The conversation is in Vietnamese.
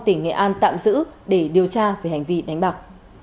tỉnh nghệ an tạm giữ để điều tra về hành vi đánh bạc